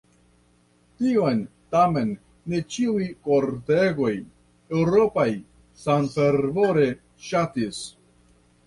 Tion tamen ne ĉiuj kortegoj eŭropaj samfervore ŝatis.